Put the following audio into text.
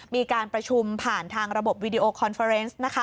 มีการประชุมผ่านทางระบบวิดีโอคอนเฟอร์เนส